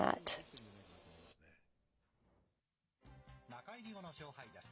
中入り後の勝敗です。